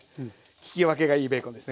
聞き分けがいいベーコンですね